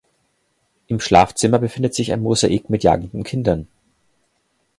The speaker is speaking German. Im Schlafzimmer befindet sich ein Mosaik mit jagenden Kindern.